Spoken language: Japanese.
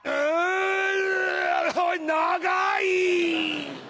長い！